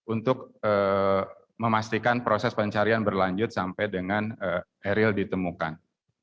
untuk memastikan proses pencarian berlanjut sampai dengan eril ditemukan